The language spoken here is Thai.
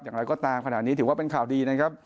อย่างไรก็ตามขณะนี้ถือว่าเป็นข่าวดีนะครับ